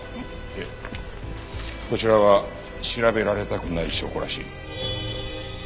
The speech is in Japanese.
でこちらは調べられたくない証拠らしい。